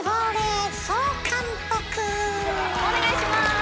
お願いします。